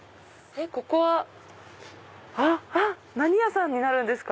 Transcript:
ここは何屋さんになるんですか？